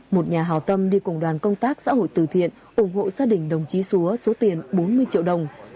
một nhà hào tâm đi cùng đoàn công tác xã hội từ thiện ủng hộ gia đình đồng chí xúa số tiền bốn mươi triệu đồng